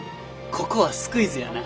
ここはスクイズやな。